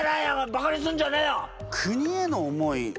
バカにすんじゃねえよ！